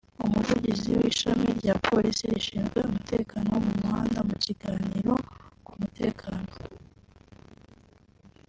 Umuvugizi w’ishami rya Polisi rishinzwe umutekano wo mu muhanda mu kiganiro ku mutekano